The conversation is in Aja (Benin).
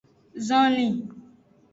Zonlin.